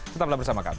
tetap bersama kami